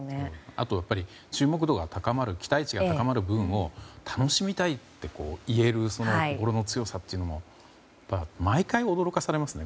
あと、やっぱり注目度が高まる、期待値が高まる分を楽しみたいと言えるその心の強さというのにも毎回驚かされますね。